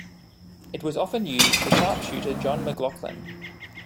It was often used for sharpshooter Jon McGlocklin.